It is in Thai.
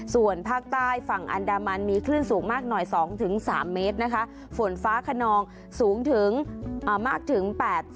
ส่วนภาคใต้ฝั่งอันดามันมีคลื่นสูงมากหน่อย๒๓เมตรนะคะฝนฟ้าขนองสูงถึงมากถึง๘๐